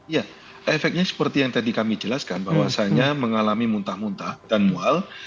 ya efeknya seperti yang tadi kami jelaskan bahwasannya mengalami muntah muntah dan mual